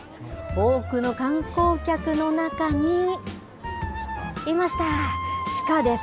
多くの観光客の中にいました、鹿です。